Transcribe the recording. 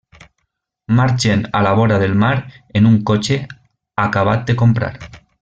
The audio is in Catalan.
Marxen a la vora del mar en un cotxe acabat de comprar.